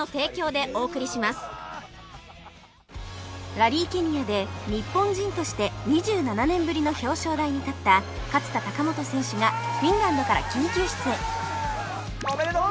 ラリー・ケニアで日本人として２７年ぶりの表彰台に立った勝田貴元選手がフィンランドから緊急出演！